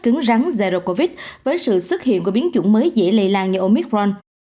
cứng rắn zero covid với sự xuất hiện của biến chủng mới dễ lây lan như omicron